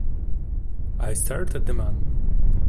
I stared at the man.